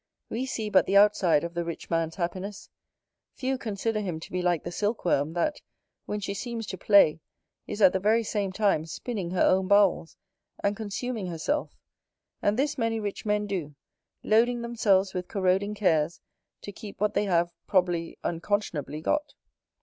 We see but the outside of the rich man's happiness: few consider him to be like the silk worm, that, when she seems to play, is, at the very same time, spinning her own bowels, and consuming herself; and this many rich men do, loading themselves with corroding cares, to keep what they have, probably, unconscionably got.